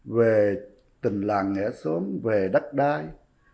về tình làng nghệ xóm về đắc đai